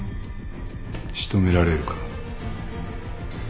仕留められるか？